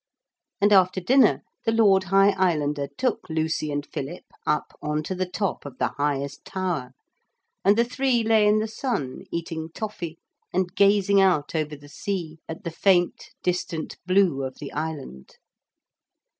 And after dinner the Lord High Islander took Lucy and Philip up on to the top of the highest tower, and the three lay in the sun eating toffee and gazing out over the sea at the faint distant blue of the island.